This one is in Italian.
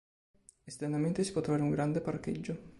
Esternamente si può trovare un grande parcheggio.